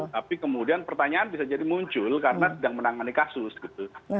tapi kemudian pertanyaan bisa jadi muncul karena sedang menangani kasus gitu